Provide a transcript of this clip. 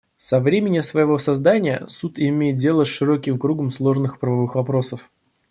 Со времени своего создания Суд имеет дело с широким кругом сложных правовых вопросов.